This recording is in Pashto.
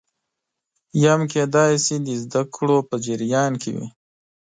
یا هم کېدای شي د زده کړو په جریان کې وي